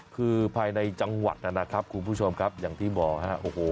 คือภายในจังหวัดนะครับคุณผู้ชมครับอย่างที่บอกฮะโอ้โห